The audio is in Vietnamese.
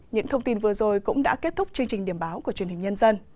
những thông tin vừa rồi cũng đã kết thúc chương trình điểm báo của truyền hình nhân dân